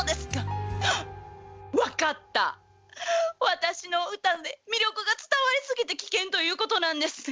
私の歌で魅力が伝わりすぎて危険ということなんですね。